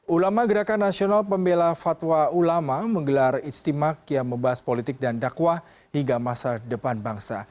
ulama gerakan nasional pembela fatwa ulama menggelar istimak yang membahas politik dan dakwah hingga masa depan bangsa